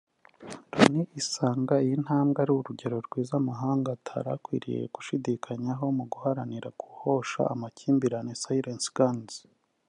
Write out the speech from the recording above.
Loni isanga iyi ntambwe ari urugero rwiza amahanga atari akwiye gushidikanyaho mu guharanira guhosha amakimbirane (Silencing guns)